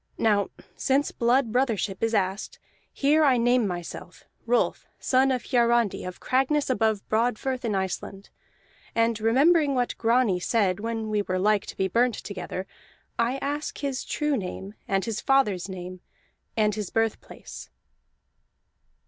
Now since blood brothership is asked, here I name myself: Rolf, son of Hiarandi, of Cragness above Broadfirth in Iceland. And remembering what Grani said when we were like to be burnt together, I ask his true name, and his father's name, and his birthplace."